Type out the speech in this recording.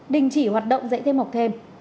đình chỉ hoạt động dạy thêm học thêm